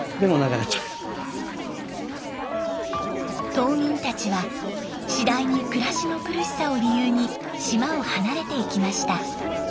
島民たちは次第に暮らしの苦しさを理由に島を離れていきました。